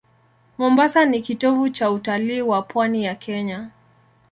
Mombasa ni kitovu cha utalii wa pwani ya Kenya.